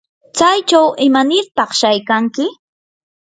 ¿tsaychaw imanirtaq shaykanki?